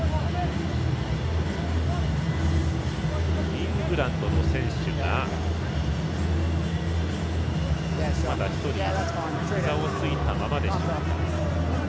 イングランドの選手が、まだ１人ひざをついたままでしょうか。